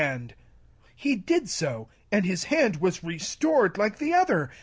And he did so : and his hand was restored [at the other].